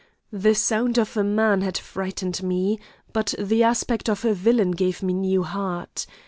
The sound of a man had frightened me, but the aspect of a villain gave me new heart.